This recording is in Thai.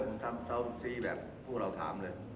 ผมทำเซาซีแบบพวกเราถามเลย